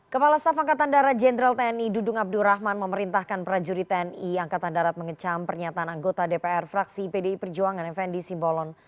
kepala staf angkatan darat jenderal tni dudung abdurrahman memerintahkan prajurit tni angkatan darat mengecam pernyataan anggota dpr fraksi pdi perjuangan fnd simbolon